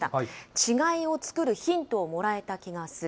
違いを作るヒントをもらえた気がする。